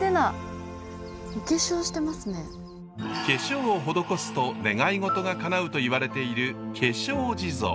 化粧を施すと願い事がかなうといわれている化粧地蔵。